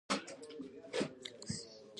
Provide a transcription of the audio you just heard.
غیرت له مړانې سره مل وي